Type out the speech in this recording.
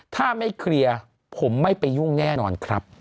ถ้าไม่เคลียร์ผมไม่ไปยุ่งแน่นอนครับ